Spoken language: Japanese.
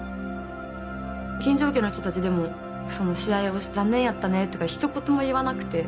金城家の人たちでも試合をして残念やったねとかひと言も言わなくて。